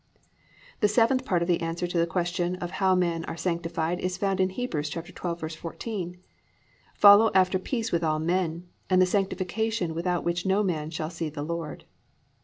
7. The seventh part of the answer to the question of how men are sanctified is found in Heb. 12:14, +"Follow after peace with all men, and the sanctification without which no man shall see the Lord."